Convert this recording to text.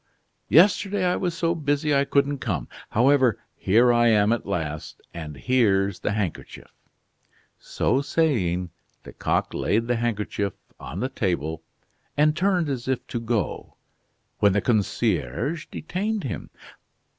Yesterday I was so busy I couldn't come; however, here I am at last, and here's the handkerchief." So saying, Lecoq laid the handkerchief on the table, and turned as if to go, when the concierge detained him.